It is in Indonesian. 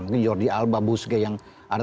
mungkin jordi alba buzzge yang ada